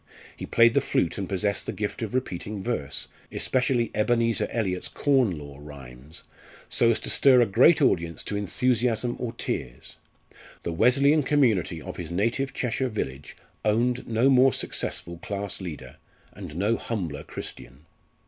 He played the flute and possessed the gift of repeating verse especially Ebenezer Eliot's Corn Law Rhymes so as to stir a great audience to enthusiasm or tears. The Wesleyan community of his native Cheshire village owned no more successful class leader, and no humbler Christian.